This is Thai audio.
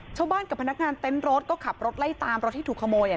ชาวบ้านกับพนักงานเต็นต์รถก็ขับรถไล่ตามรถที่ถูกขโมยอ่ะ